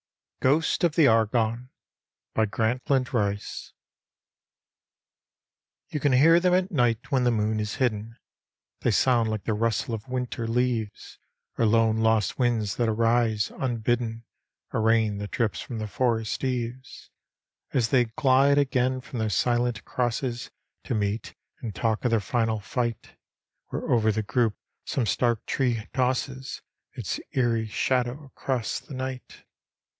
GHOSTS OF THE ARGONNE ; grantland wcb You can hear them at night when die moon is hidden ; They sound like the rustle of winter leaves. Or lone lost winds that arise, unbidden, Or rain that drips from the forest eaves. As they glide again from their silent crosses To meet and talk of their £nal fight. Where over the group some stark tree tosses Its eerie shadow across the night.